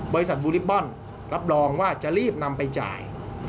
บริษัทบูริปป้อนด์รับรองว่าจะรีบนำไปจ่าย